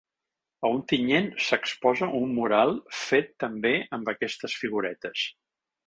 A Ontinyent s’exposa un mural fet també amb aquestes figuretes.